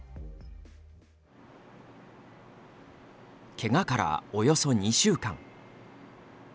けがからおよそ２週間。